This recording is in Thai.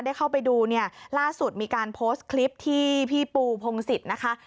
ได้เข้าไปดูล่าสุดมีการโพสสคลิปที่พี่ปูพงศิษฐ์นะคะ